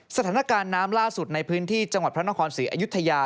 สถานการณ์น้ำล่าสุดในพื้นที่จังหวัดพระนครศรีอยุธยา